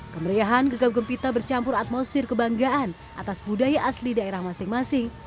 kemeriahan gegap gempita bercampur atmosfer kebanggaan atas budaya asli daerah masing masing